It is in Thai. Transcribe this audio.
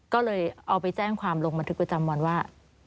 ก็เลยเอาไปแจ้งความลงบันทึกประจำวันว่า